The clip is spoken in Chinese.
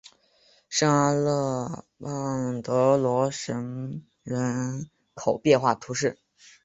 圣阿勒邦德罗什人口变化图示